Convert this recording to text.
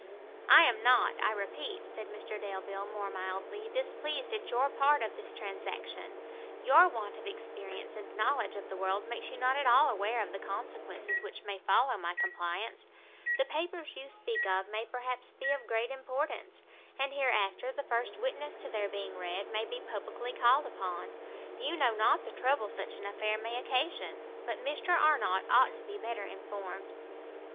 "I am not, I repeat," said Mr Delvile, more mildly, "displeased at your part of this transaction; your want of experience and knowledge of the world makes you not at all aware of the consequences which may follow my compliance; the papers you speak of may perhaps be of great importance, and hereafter the first witness to their being read may be publickly called upon. You know not the trouble such an affair may occasion, but Mr Arnott ought to be better informed."